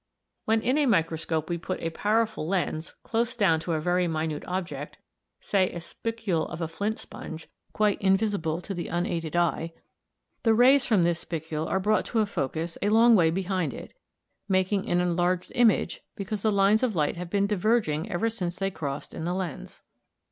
When in a microscope we put a powerful lens o, l close down to a very minute object, say a spicule of a flint sponge s, s, quite invisible to the unaided eye, the rays from this spicule are brought to a focus a long way behind it at s´, s´, making an enlarged image because the lines of light have been diverging ever since they crossed in the lens.